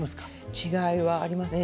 違いはありますね。